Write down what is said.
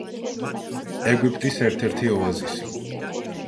ეგვიპტის ერთ-ერთი ოაზისი.